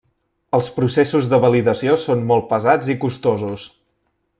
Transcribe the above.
Els processos de validació són molt pesats i costosos.